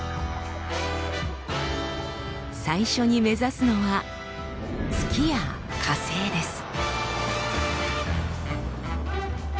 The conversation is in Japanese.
最初に目指すのは月や火星です。